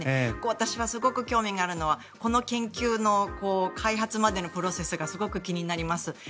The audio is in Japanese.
私はすごく興味があるのはこの研究の開発までのプロセスがすごく気になります。